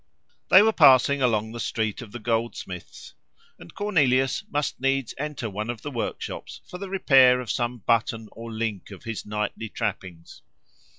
They were passing along the street of the goldsmiths; and Cornelius must needs enter one of the workshops for the repair of some button or link of his knightly trappings.